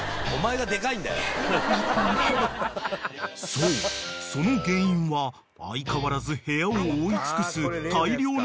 ［そうその原因は相変わらず部屋を覆い尽くす］